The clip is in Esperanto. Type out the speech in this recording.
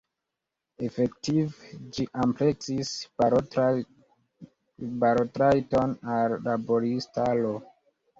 Efektive, ĝi ampleksis balotrajton al laboristaro.